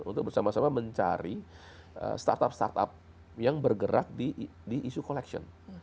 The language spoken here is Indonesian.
untuk bersama sama mencari startup startup yang bergerak di isu collection